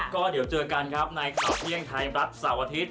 ก็เดี๋ยวเจอกันครับในข่าวเที่ยงไทยรัฐเสาร์อาทิตย